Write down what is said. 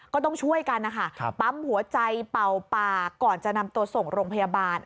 ก็ต้องช่วยกันนะคะปั๊มหัวใจเป่าปากก่อนจะนำตัวส่งโรงพยาบาล